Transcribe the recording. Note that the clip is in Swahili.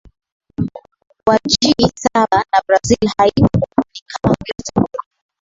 wa G saba na Brazil haipo ni kama kuleta ukoloni